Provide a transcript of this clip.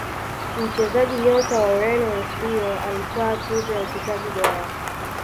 mchezaji nyota wa Ureno eusebio alitwaa tuzo ya uchezaji bora